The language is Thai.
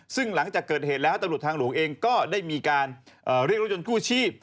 ซึ่งหลังจากเกิดเหตุแล้วตำรวจทางหลวงเองก็ได้มีการเรียกรถยนต์กู้ชีพ